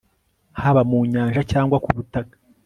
haba mu nyanja cyangwa ku butaka